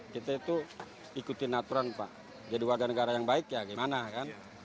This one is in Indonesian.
kita itu ikutin aturan pak jadi warga negara yang baik ya gimana kan